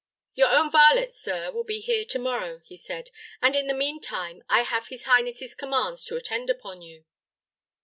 "Your own varlet, sir, will be here to morrow," he said; "and in the mean time, I have his highness's commands to attend upon you."